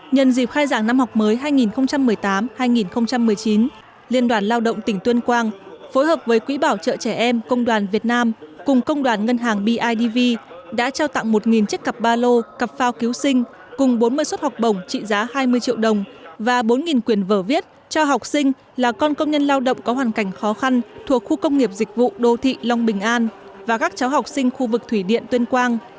nhân dịp khai giảng năm học mới hai nghìn một mươi tám hai nghìn một mươi chín liên đoàn lao động tỉnh tuyên quang phối hợp với quỹ bảo trợ trẻ em công đoàn việt nam cùng công đoàn ngân hàng bidv đã trao tặng một chiếc cặp ba lô cặp phao cứu sinh cùng bốn mươi suất học bổng trị giá hai mươi triệu đồng và bốn quyền vở viết cho học sinh là con công nhân lao động có hoàn cảnh khó khăn thuộc khu công nghiệp dịch vụ đô thị long bình an và các cháu học sinh khu vực thủy điện tuyên quang